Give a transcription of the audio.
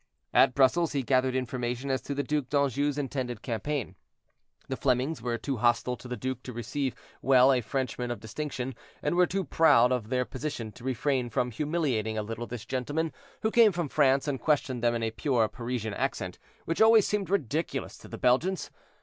At Brussels he gathered information as to the Duc d'Anjou's intended campaign. The Flemings were too hostile to the duke to receive well a Frenchman of distinction, and were too proud of their position to refrain from humiliating a little this gentleman who came from France and questioned them in a pure Parisian accent, which always seemed ridiculous to the Belgians.